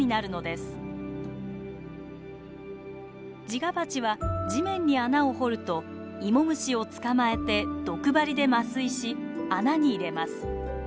ジガバチは地面に穴を掘るとイモムシを捕まえて毒針で麻酔し穴に入れます。